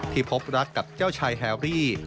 พบรักกับเจ้าชายแฮรี่